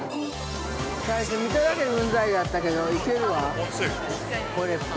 ◆最初見ただけでうんざりだったけど、いけるわ。